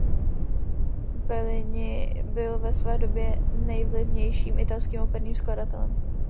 Bellini byl ve své době nejvlivnějším italským operním skladatelem.